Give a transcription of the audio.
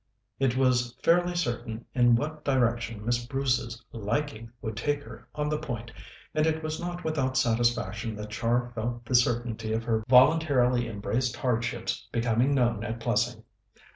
It was fairly certain in what direction Miss Bruce's "liking" would take her on the point, and it was not without satisfaction that Char felt the certainty of her voluntarily embraced hardships becoming known at Plessing.